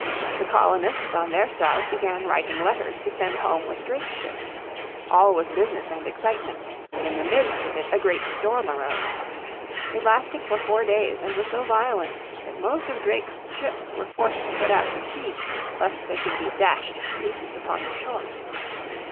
The colonists on their side began writing letters to send home with Drake's ships. All was business and excitement. But in the midst of it a great storm arose. It lasted for four days and was so violent that most of Drake's ships were forced to put out to sea lest they should be dashed to pieces upon the shore.